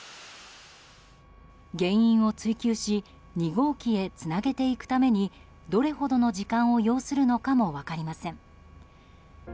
原因を追究し２号機へつなげていくためにどれほどの時間を要するのかも分かりません。